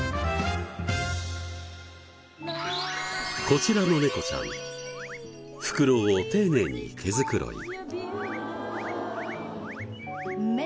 こちらの猫ちゃんフクロウを丁寧に毛繕い。